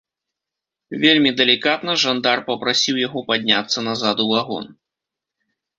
Вельмі далікатна жандар папрасіў яго падняцца назад у вагон.